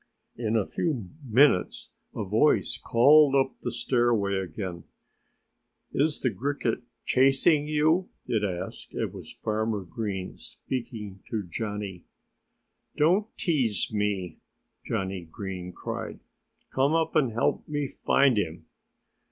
In a few minutes a voice called up the stairway again. "Is the Cricket chasing you?" it asked. It was Farmer Green, speaking to Johnnie. "Don't tease me!" Johnnie Green cried. "Come up and help me find him!"